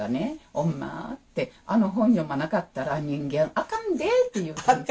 「オンマあの本読まなかったら人間あかんで」って言ったんです。